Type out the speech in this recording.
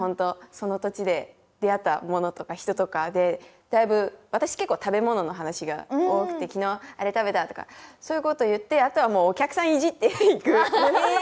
その土地で出会ったものとか人とかでだいぶ私結構食べ物の話が多くて「昨日あれ食べた」とかそういうことを言ってあとはもうお客さんいじっていく。